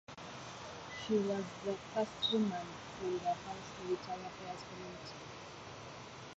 She was the first woman on the House Military Affairs Committee.